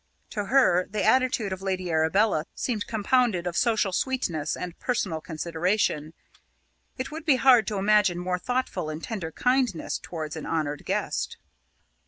To her, the attitude of Lady Arabella seemed compounded of social sweetness and personal consideration. It would be hard to imagine more thoughtful and tender kindness towards an honoured guest.